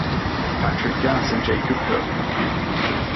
Patrick Gass, and Jacob Cook.